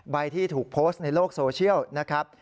ที่ถูกโพสต์ในโลกโซเชียลนะครับ